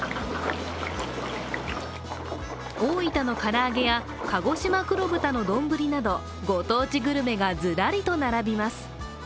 大分の唐揚げや鹿児島黒豚の丼などご当地グルメがずらりと並びます。